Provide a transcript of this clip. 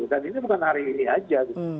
dan ini bukan hari ini aja